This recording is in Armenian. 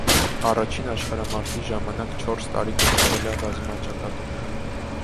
Առաջին աշխարհամարտի ժամանակ չորս տարի գտնվել է ռազմաճակատում։